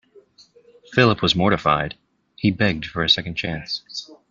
Philip was mortified. He begged for a second chance.